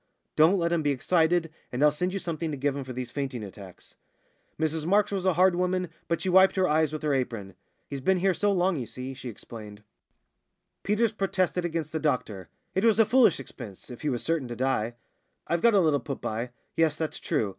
Don't let him be excited, and I'll send you something to give him for these fainting attacks." Mrs Marks was a hard woman, but she wiped her eyes with her apron. "He's been here so long, you see," she explained. Peters protested against the doctor. It was a foolish expense, if he was certain to die. "I've got a little put by yes, that's true.